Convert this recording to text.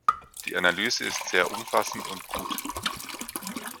Die Analyse ist sehr umfassend und gut.